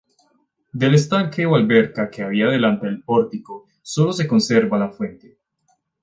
Del estanque o alberca que había delante del pórtico, sólo se conserva la fuente.